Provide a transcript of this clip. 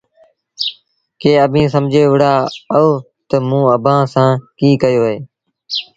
ڪيٚ اڀيٚنٚ سمجھي وهُڙآ اهو تا موٚنٚ اڀآنٚ سآݩٚ ڪيٚ ڪيو اهي؟